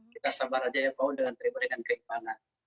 kita sabar saja ya pak uu dengan terima kasih dan keikhlanan